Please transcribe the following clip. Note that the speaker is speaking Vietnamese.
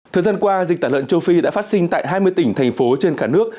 thời gian qua dịch tả lợn châu phi đã phát sinh tại hai mươi tỉnh thành phố trên cả nước